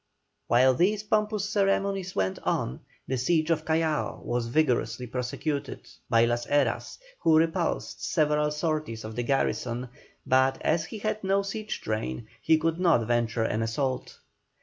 While these pompous ceremonies went on, the siege of Callao was vigorously prosecuted by Las Heras, who repulsed several sorties of the garrison, but as he had no siege train, he could not venture an assault.